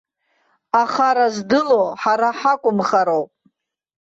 Ахара здыло ҳара ҳакымхароуп.